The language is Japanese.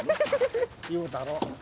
言うたろ。